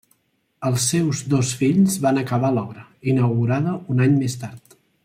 Els seus dos fills van acabar l'obra, inaugurada un any més tard.